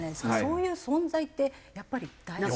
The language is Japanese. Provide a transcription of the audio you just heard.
そういう存在ってやっぱり大事。